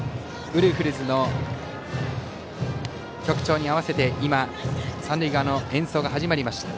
ウルフルズの曲調に合わせて三塁側の演奏が始まりました。